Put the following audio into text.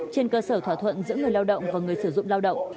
trên cơ sở thỏa thuận giữa người lao động và người sử dụng lao động